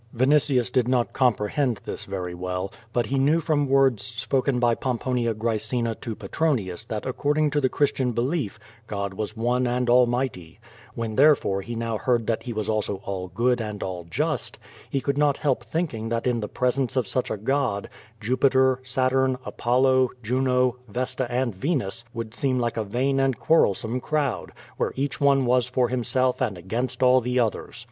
Vinitius did not comprehend this very well, but he knew from words spoken by Pomponia Graecina to Petronius that according to the Christian belief, God was one and almighty; when therefore he now heard that He was also all good and all just, he could not help thinking that in the presence of such a God, Jupiter, Saturn, Apollo, Juno, Vesta, and Venus would seem like a vain and quarrelsome crowd, where each one was for himself and against all the others.